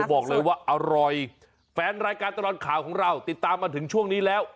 บอกเลยว่าอร่อยแฟนรายการตลอดข่าวของเราติดตามมาถึงช่วงนี้แล้ว